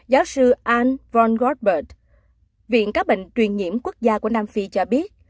giáo sư anne von goldberg viện các bệnh truyền nhiễm quốc gia của nam phi cho biết